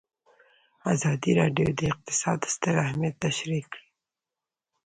ازادي راډیو د اقتصاد ستر اهميت تشریح کړی.